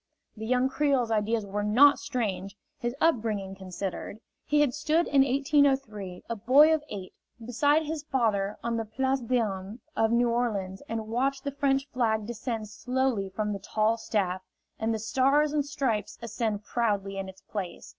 The young Creole's ideas were not strange, his upbringing considered. He had stood in 1803, a boy of eight, beside his father on the Place d'Armes of New Orleans and watched the French flag descend slowly from the tall staff, and the Stars and Stripes ascend proudly in its place.